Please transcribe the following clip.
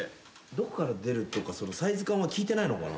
どこから出るとかサイズ感は聞いてないのかな。